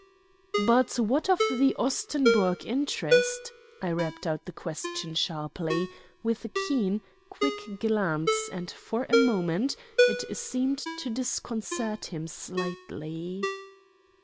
"But what of the Ostenburg interest?" I rapped out the question sharply, with a keen, quick glance, and for a moment it seemed to disconcert him slightly.